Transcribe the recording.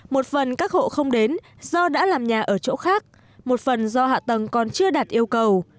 một phần các hộ không đến do đã làm nhà ở chỗ khác một phần do hạ tầng còn chưa đạt yêu cầu